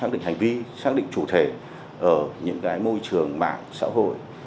đi xác định chủ thể ở những cái môi trường mạng xã hội